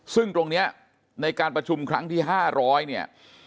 ซึ่งตรงนี้ในการประชุมครั้งที่๕๐๐เนี่ย